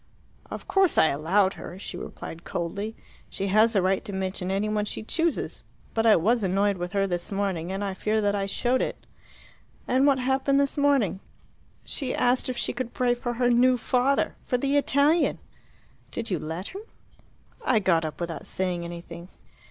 "Of course I allowed her," she replied coldly. "She has a right to mention any one she chooses. But I was annoyed with her this morning, and I fear that I showed it." "And what happened this morning?" "She asked if she could pray for her 'new father' for the Italian!" "Did you let her?" "I got up without saying anything."